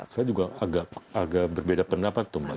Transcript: saya juga agak berbeda pendapat tuh mbak